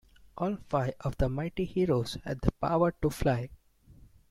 All five of the Mighty Heroes had the power to fly.